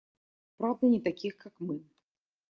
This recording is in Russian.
Правда, не таких как мы.